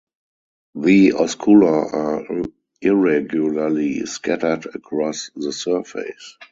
The oscula are irregularly scattered across the surface.